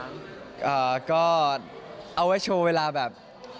เอ่อก็เอาไว้โชว์เวลาแบบ